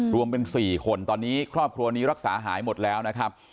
รวมเป็น๔คนตอนนี้ครอบครัวนี้รักษาหายหมดแล้วนะครับ